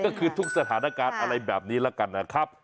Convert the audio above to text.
ก็คือทุกสถานการณ์อะไรแบบนี้แล้วกันนะครับ